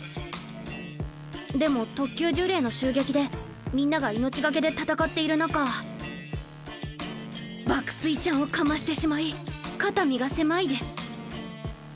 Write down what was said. でも特級呪霊の襲撃でみんなが命懸けで戦っているなか爆睡ちゃんをかましてしまい肩身が狭いです